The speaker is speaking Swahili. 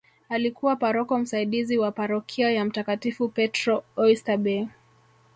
Alikuwa paroko msaidizi wa parokia ya mtakatifu Petro oysterbay